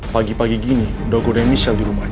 pagi pagi gini doku dan michelle di rumahnya